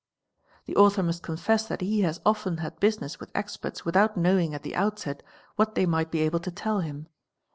The author must confess that he has often had business with experts without knowing at the outset what they might be able to tell him.